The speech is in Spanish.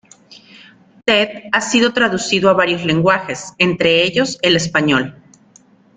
Ted ha sido traducido a varios lenguajes, entre ellos el español.